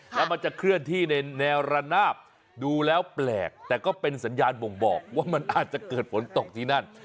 แล้วมันจะเคลื่อนที่ในแนวระนาบดูแล้วแปลกแต่ก็เป็นสัญญาณบ่งบอกว่ามันอาจจะเกิดฝนตกที่นั่น